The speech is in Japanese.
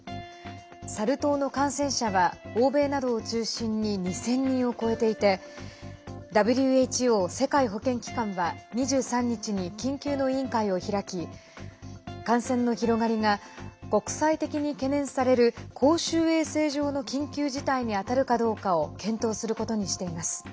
サル痘の感染者は欧米などを中心に２０００人を超えていてＷＨＯ＝世界保健機関は２３日に緊急の委員会を開き感染の広がりが国際的に懸念される公衆衛生上の緊急事態に当たるかどうかを検討することにしています。